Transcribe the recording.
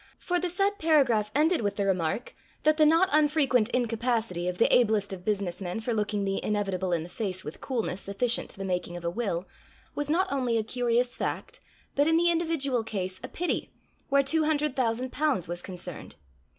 For the said paragraph ended with the remark, that the not unfrequent incapacity of the ablest of business men for looking the inevitable in the face with coolness sufficient to the making of a will, was not only a curious fact, but in the individual case a pity, where two hundred thousand pounds was concerned.